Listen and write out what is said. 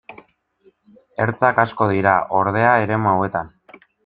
Ertzak asko dira, ordea, eremu hauetan.